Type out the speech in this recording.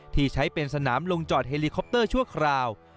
ที่ใช้เป็นสนามลงจอดเฮลิคอปเตอร์ชั่วคราว